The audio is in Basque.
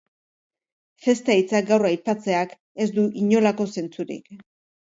Festa hitza gaur aipatzeak ez du inolako zentzurik.